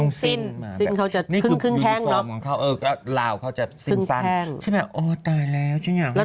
นี่คือยูนิฟอร์มของเขา